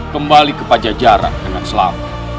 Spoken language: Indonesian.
kembali ke pajajaran dengan selamat